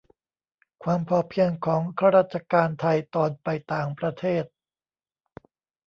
ความพอเพียงของข้าราชการไทยตอนไปต่างประเทศ